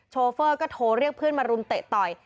โฟเฟอร์ก็โทรเรียกเพื่อนมารุมเตะต่อย